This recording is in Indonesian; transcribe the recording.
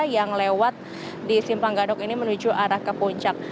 yang lewat di simpang gadok ini menuju arah ke puncak